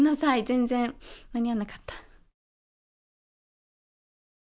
全然間に合わなかった。